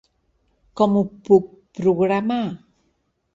Com ho puc programar?